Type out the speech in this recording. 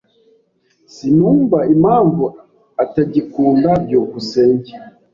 Sinumva impamvu atagikunda. byukusenge